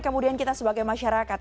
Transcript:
kemudian kita sebagai masyarakat